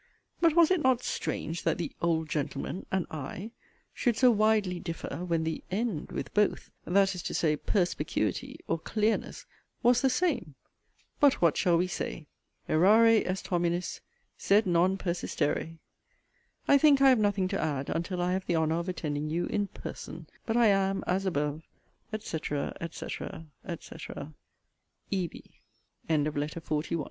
But was it not strange, that the 'old gentleman' and 'I' should so widely differ, when the 'end' with 'both' (that is to say, 'perspicuity' or 'clearness,') was the same? But what shall we say? 'Errare est hominis, sed non persistere.' I think I have nothing to add until I have the honour of attending you in 'person'; but I am, (as above,) &c. &c. &c. E.B. LETTER XLII MR. BELFORD, TO ROBERT LOVELACE, ESQ. WEDNESDAY NIGHT, AUG. 30.